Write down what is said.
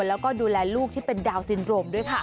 แล้วก็ดูแลลูกที่เป็นดาวนซินโรมด้วยค่ะ